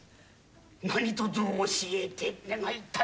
何とぞ教えて願いたい。